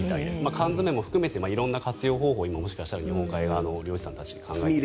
缶詰も含めて色んな活用方法を今、日本海側の漁師さんたちは考えているかも。